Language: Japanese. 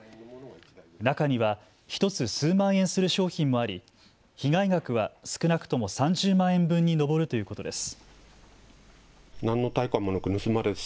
中には１つ数万円する商品もあり被害額は少なくとも３０万円分に上るということです。